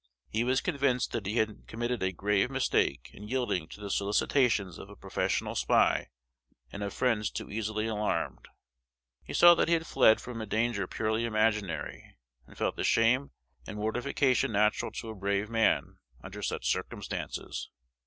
He was convinced that he had committed a grave mistake in yielding to the solicitations of a professional spy and of friends too easily alarmed. He saw that he had fled from a danger purely imaginary, and felt the shame and mortification natural to a brave man under such circumstances.